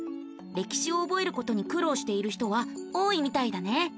歴史を覚えることに苦労している人は多いみたいだね。